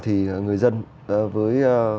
thì người dân với